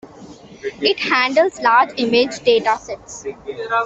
It handles large image data sets.